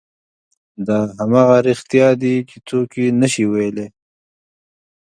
دا همغه رښتیا دي چې څوک یې نه شي ویلی.